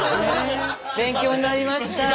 勉強になりました。